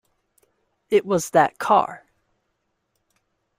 It was that car.